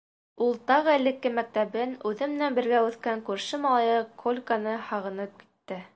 Ул тағы элекке мәктәбен, үҙе менән бергә үҫкән күрше малайы Кольканы һағынып китте.